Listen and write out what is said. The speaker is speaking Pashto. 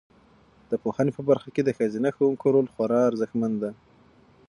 د پوهنې په برخه کې د ښځینه ښوونکو رول خورا ارزښتمن دی.